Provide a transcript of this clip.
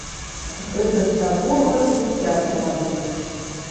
Гэта святога жыцця чалавек.